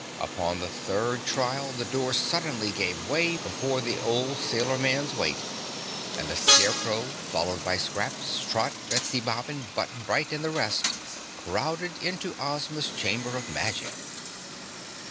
Upon the third trial the door suddenly gave way before the old sailor man's weight, and the Scarecrow followed by Scraps, Trot, Betsy Bobbin, Button Bright and the rest crowded into Ozma's Chamber of Magic.